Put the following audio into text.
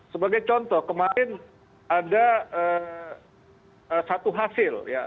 sebagai contoh kemarin ada satu hasil ya